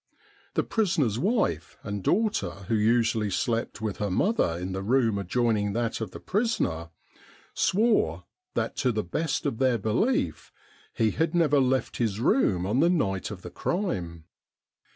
The prisoner's wife and daughter, who usually slept with her mother in the room adjoining that of the prisoner, swore that to the best of their belief he had never left his room on the night of the crime.